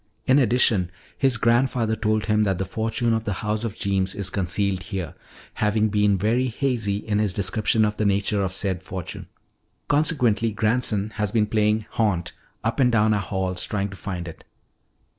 In addition, his grandfather told him that the fortune of the house of Jeems is concealed here having been very hazy in his description of the nature of said fortune. Consequently, grandson has been playing haunt up and down our halls trying to find it.